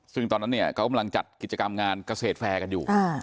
ซึ่งตอนนั้นเนี่ยเขากำลังจัดกิจกรรมงานเกษตรแฟร์กันอยู่